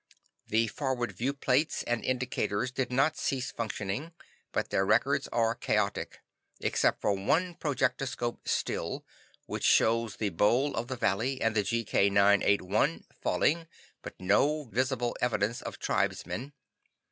The forward viewplates and indicators did not cease functioning, but their records are chaotic, except for one projectoscope still, which shows the bowl of the valley, and the GK 981 falling, but no visible evidence of tribesmen.